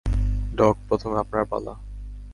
Doc, প্রথমে আপনার পালা।